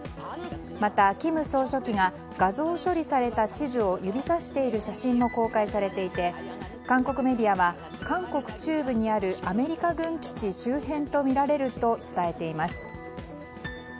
また金総書記が画像処理された地図を指さしている写真も公開されていて韓国メディアは韓国中部にあるアメリカ軍基地周辺とみられると伝えています。